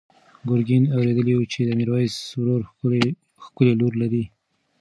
ګرګین اورېدلي وو چې د میرویس ورور ښکلې لور لري.